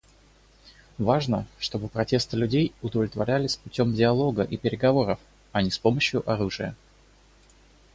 Важно, чтобы протесты людей удовлетворялись путем диалога и переговоров, а не с помощью оружия.